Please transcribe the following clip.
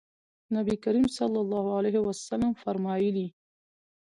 نبي کریم صلی الله علیه وسلم فرمایلي: